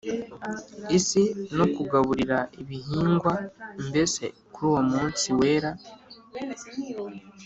isi no kugaburira ibihingwa? Mbese kuri uwo munsi wera,